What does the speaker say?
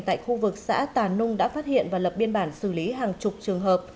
tại khu vực xã tà nung đã phát hiện và lập biên bản xử lý hàng chục trường hợp